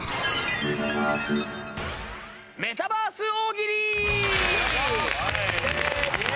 メタバース大喜利！